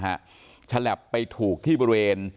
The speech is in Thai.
ฉลับไปถูกที่บริเวณ